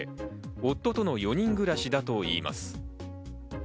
夫との４人暮らしだといいます。